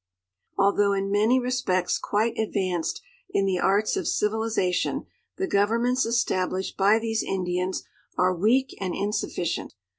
Although in many respects quite advanced in the arts of civili zation, the governments established by these Indians are weak and insufficient.